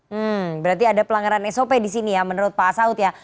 hmm berarti ada pelanggaran sop disini ya menurut pak asaud ya